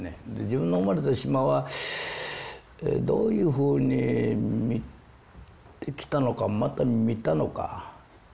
自分の生まれた島はどういうふうに見てきたのかまた見たのか。